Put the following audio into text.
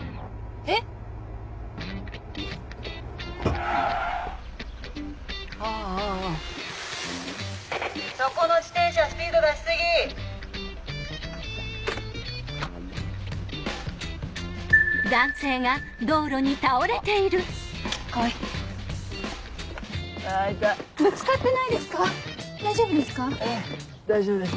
ええ大丈夫です。